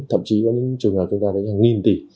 thậm chí có những trường hợp kinh doanh đến hàng nghìn tỷ